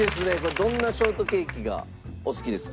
どんなショートケーキがお好きですか？